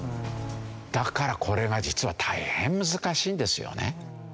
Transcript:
だからこれが実は大変難しいんですよね。